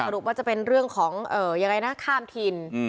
ถูกว่าจะเป็นเรื่องของข้ามถิ่น